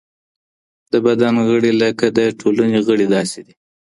د بدن غړي لکه د ټولني غړي داسې دي.